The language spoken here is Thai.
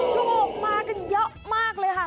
ถูกมากันเยอะมากเลยค่ะ